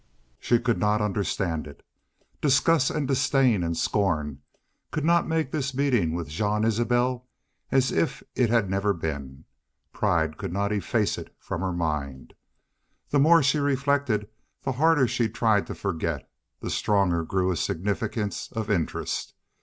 She could not understand it. Disgust and disdain and scorn could not make this meeting with Jean Isbel as if it had never been. Pride could not efface it from her mind. The more she reflected, the harder she tried to forget, the stronger grew a significance of interest.